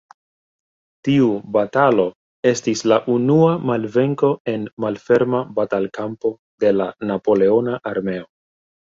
Tiu batalo estis la unua malvenko en malferma batalkampo de la Napoleona armeo.